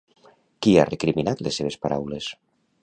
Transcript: Qui ha recriminat les seves paraules?